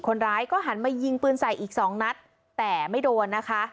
คนร้ายก็หันมายิงปืนใส่อีกสองนัดแต่ไม่โดนนะคะ